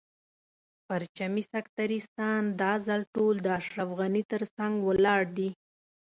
پرچمي سکتریستان دا ځل ټول د اشرف غني تر څنګ ولاړ دي.